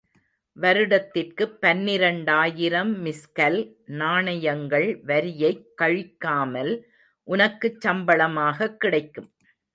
வருடத்திற்குப் பனிரெண்டாயிரம் மிஸ்கல் நாணயங்கள் வரியைக் கழிக்காமல் உனக்குச் சம்பளமாகக் கிடைக்கும்.